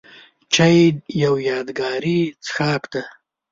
چای یو یادګاري څښاک دی.